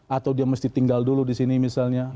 atau dia mesti tinggal dulu di sini misalnya